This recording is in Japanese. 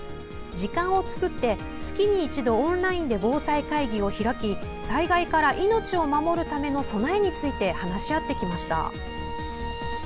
時間を作って月に一度、オンラインで防災会議を開き災害から命を守るための備えについて話し合ってきました。